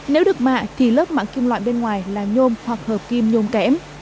nếu được mạ thì lớp mạ kim loại bên ngoài là nhôm hoặc hợp kim nhôm kém